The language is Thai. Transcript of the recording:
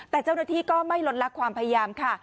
แต่เจ้าหน้าที่ก็ไม่ลดลักความพยายามค่ะ